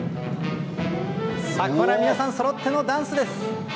さあ、ここからは皆さんそろってのダンスです。